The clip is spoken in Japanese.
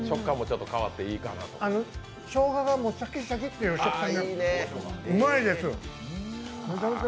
しょうがが、シャキッシャキッていう食感、うまいです。